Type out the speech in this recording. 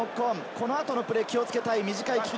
このあとのプレー、気をつけたい。